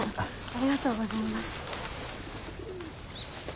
ありがとうございます。